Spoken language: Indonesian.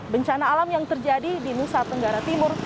bencana alam yang terjadi di nusa tenggara timur